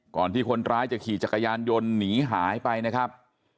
ที่คนร้ายจะขี่จักรยานยนต์หนีหายไปนะครับ